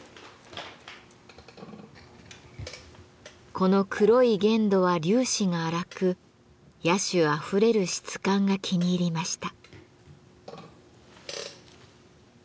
この黒い原土は粒子が粗く野趣あふれる質感が気に入りました。